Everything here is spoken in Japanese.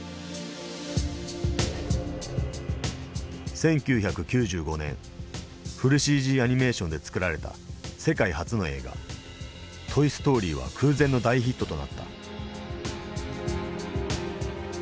１９９５年フルＣＧアニメーションで作られた世界初の映画「トイストーリー」は空前の大ヒットとなった。